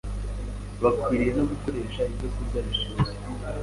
bakwiriye no gukoresha ibyokurya bishyushye.